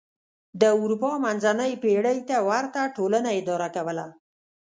د اروپا منځنۍ پېړۍ ته ورته ټولنه یې اداره کوله.